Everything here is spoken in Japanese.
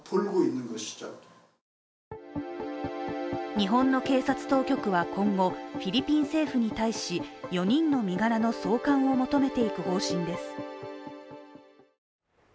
日本の警察当局は今後、フィリピン政府に対し４人の身柄の送還を求めていく方針です。